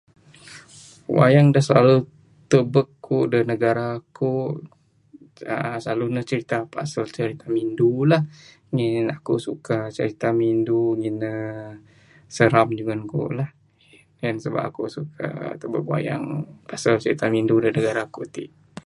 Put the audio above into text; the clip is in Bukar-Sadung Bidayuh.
Wayang da silalu tubek ku da negara aku uhh silalu nuh cirita pasal mindu uhh ngin aku suka cirita mindu ngin nuh seram dengan aku lah. En sebab aku suka tubek wayang asal cirita mindu da negara aku ti.